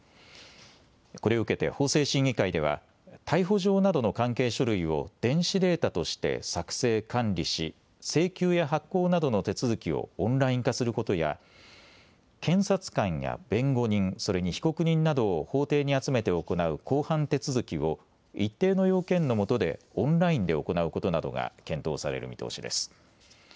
これを受けて法制審議会では逮捕状などの関係書類を電子データとして作成、管理し請求や発行などの手続きをオンライン化することや検察官や弁護人、それに被告人などを法廷に集めて行う公判手続きを一定の要件のもとでオンラインで行うことなどが検討される見通しです。